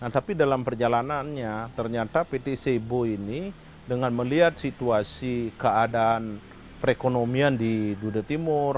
tapi dalam perjalanannya ternyata pt sebo ini dengan melihat situasi keadaan perekonomian di dude timur